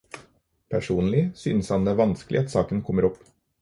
Personlig synes han det er vanskelig at saken kommer opp.